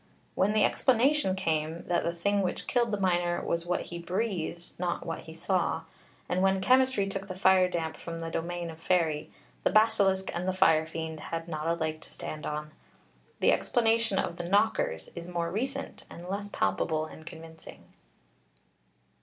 When the explanation came, that the thing which killed the miner was what he breathed, not what he saw; and when chemistry took the fire damp from the domain of faerie, the basilisk and the fire fiend had not a leg to stand on. The explanation of the Knockers is more recent, and less palpable and convincing.